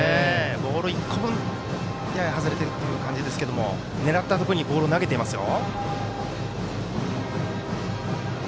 ボール１個分、やや外れているっていう感じですけど狙ったところにボールを投げていますよ。